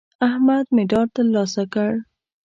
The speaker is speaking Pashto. احمد مډال ترلاسه کړ.